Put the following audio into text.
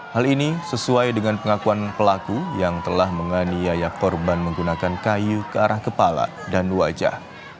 hal ini sesuai dengan pengakuan pelaku yang telah menganiaya korban menggunakan kayu ke arah kepala dan wajah